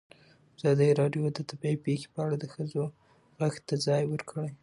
ازادي راډیو د طبیعي پېښې په اړه د ښځو غږ ته ځای ورکړی.